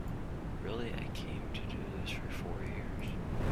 Really, I came to do this for four years.